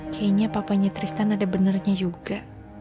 kayaknya papanya tristan ada benarnya juga